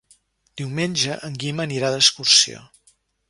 Diumenge en Guim anirà d'excursió.